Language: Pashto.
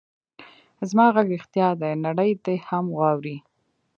زما غږ رښتیا دی؛ نړۍ دې هم واوري.